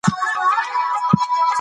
خدای ورکوونکي ته ډېر ورکوي.